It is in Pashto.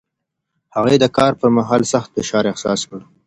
هغې د کار پر مهال سخت فشار احساس کړ.